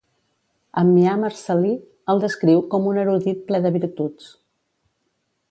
Ammià Marcel·lí el descriu com un erudit ple de virtuts.